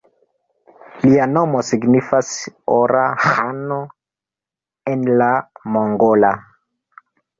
Lia nomo signifas "Ora ĥano" en la mongola.